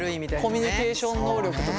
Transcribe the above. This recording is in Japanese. コミュニケーション能力とか。